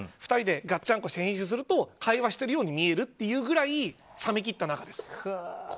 ２人でがっちゃんこして編集すると会話してるように見えるっていうぐらい冷め切った仲です。